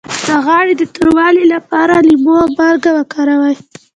د غاړې د توروالي لپاره لیمو او مالګه وکاروئ